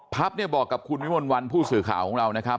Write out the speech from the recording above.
เนี่ยบอกกับคุณวิมลวันผู้สื่อข่าวของเรานะครับ